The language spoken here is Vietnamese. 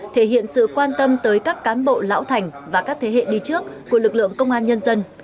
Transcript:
thể hiện sự quan tâm tới các cán bộ lão thành và các thế hệ đi trước của lực lượng công an nhân dân